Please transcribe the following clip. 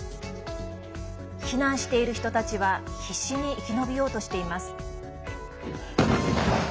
避難している人たちは必死に生き延びようとしています。